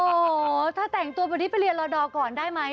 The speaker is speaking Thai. โอ้โหถ้าแต่งตัวแบบนี้ไปเรียนรอดอร์ก่อนได้ไหม